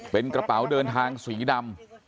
เป็นกระเป๋าเดินทางสีดำ